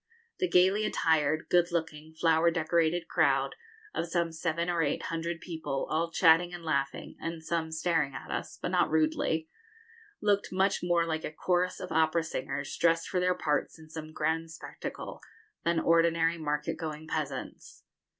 The gaily attired, good looking, flower decorated crowd, of some seven or eight hundred people, all chatting and laughing, and some staring at us but not rudely looked much more like a chorus of opera singers, dressed for their parts in some grand spectacle, than ordinary market going peasants.